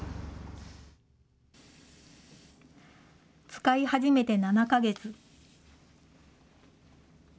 使い始めて７か月。